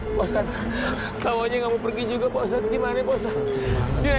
pasang tawannya mau pergi juga posat gimana posat